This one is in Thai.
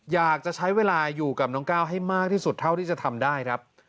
อยากจะใช้เวลาอยู่กับน้องก้าวให้มากที่สุดเท่าที่จะทำได้ครับ